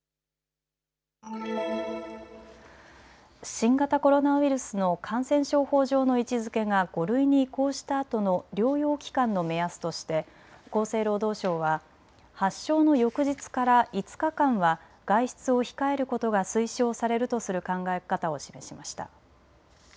新型コロナウイルスの感染症法上の位置づけが５類に移行したあとの療養期間の目安として厚生労働省は発症の翌日から５日間は外出を控えることが推奨されるとする考え方を示しました。